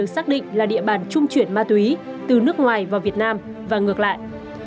xác định là địa bàn trung chuyển ma túy từ nước ngoài vào việt nam và ngược lại